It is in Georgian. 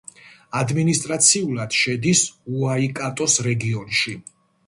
ადმინისტრაციულად შედის უაიკატოს რეგიონში.